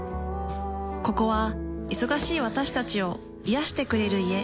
ここは忙しい私たちを癒してくれる家。